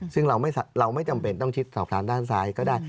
ซึ่งเราไม่จำเป็นต้องชิดสอบถามด้านซ้ายก็ได้